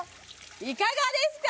いかがですか？